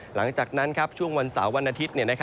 หลังจากนั้นช่วงวันเสาร์วันอาทิตย์